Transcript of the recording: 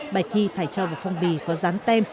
bài thi phải cho vào phong bì có rán tem